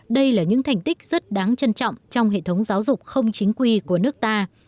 đây là những thành tích rất đáng trân trọng trong hệ thống giáo dục không chính quy của nước ta